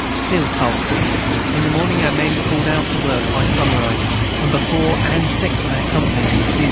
Still cold in the morning our men cald out to work by sonrise or before & 6 of our company viz.